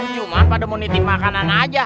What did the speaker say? cuma pada mau nitip makanan aja